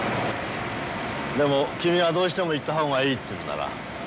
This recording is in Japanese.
でも君がどうしても行った方がいいっていうんなら。